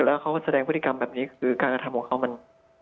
แล้วเขาก็แสดงพฤติกรรมแบบนี้คือการกระทำของเขามัน